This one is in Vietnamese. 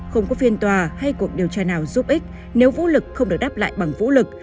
không có phiên tòa hay cuộc điều tra nào giúp ích nếu vũ lực không được đáp lại bằng vũ lực